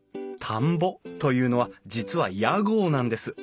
「田んぼ」というのは実は屋号なんです。